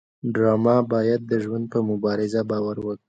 ډرامه باید د ژوند په مبارزه باور ورکړي